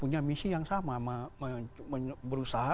yang sama berusaha